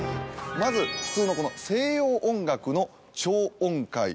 まず普通の西洋音楽の長音階。